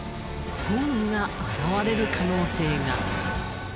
ゴーンが現れる可能性が。